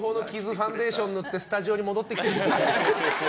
ファンデーション塗ってスタジオに戻ってきてください。